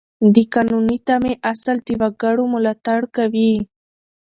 د قانوني تمې اصل د وګړو ملاتړ کوي.